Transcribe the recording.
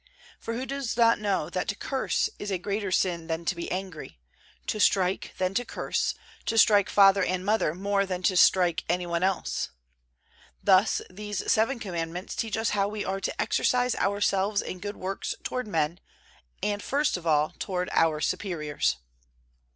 For who does not know that to curse is a greater sin than to be angry, to strike than to curse, to strike father and mother more than to strike any one else? Thus these seven Commandments teach us how we are to exercise ourselves in good works toward men, and first of all toward our superiors.